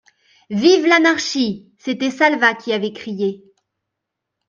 Vive l'anarchie ! C'était Salvat qui avait crié.